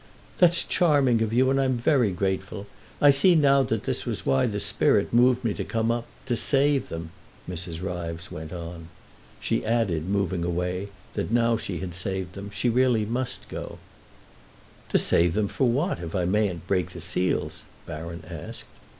"That's charming of you, and I'm very grateful. I see now that this was why the spirit moved me to come up—to save them," Mrs. Ryves went on. She added, moving away, that now she had saved them she must really go. "To save them for what, if I mayn't break the seals?" Baron asked.